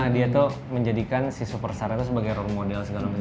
dia tuh menjadikan si super sara itu sebagai role model segala macam